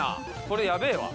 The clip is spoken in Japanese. これやべえわ。